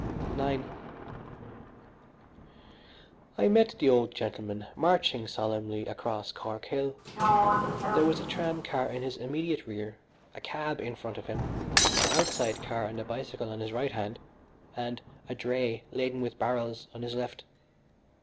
IX I met the old gentleman marching solemnly across Cork Hill. There was a tramcar in his immediate rear, a cab in front of him, an outside car and a bicycle on his right hand, and a dray laden with barrels on his left.